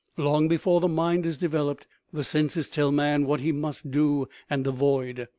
Long before the mind is developed the senses tell man what he must do and avoid.